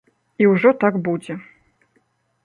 І ўжо так будзе.